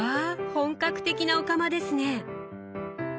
本格的なお釜ですね！